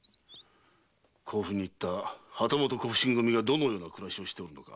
甲府に行った旗本小普請組がどのような暮らしをしてるのか